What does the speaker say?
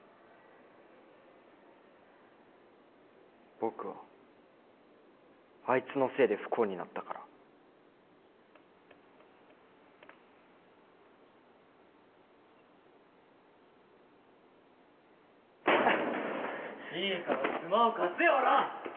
僕はあいつのせいで不幸になったから・いいからスマホ貸せよおらっ！